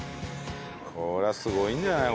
こりゃすごいんじゃない？